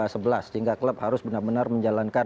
sehingga klub harus benar benar menjalankan